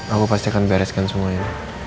aku pasti akan bereskan semuanya